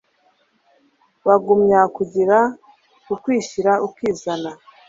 bagumya kugira ukwishyira ukizana